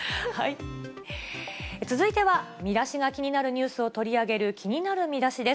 続いてはミダシが気になるニュースを取り上げる気になるミダシです。